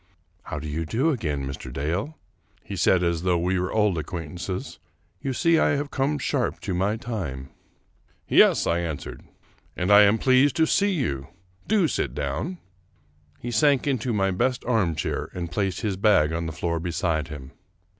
" How do you do again, Mr. Dale ?" he said as though we were old acquaintances ;" you see I have come sharp to my time." " Yes," I answered, " and I am pleased to see you ; do sit down." He sank into my best armchair, and placed his bag on the floor beside him.